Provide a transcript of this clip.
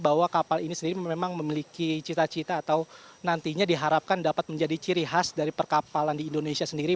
bahwa kapal ini sendiri memang memiliki cita cita atau nantinya diharapkan dapat menjadi ciri khas dari perkapalan di indonesia sendiri